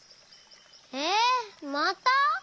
えっまた？